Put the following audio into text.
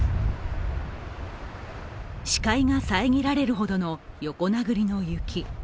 視界が遮られるほどの横殴りの雪。